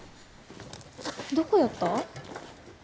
どこやった？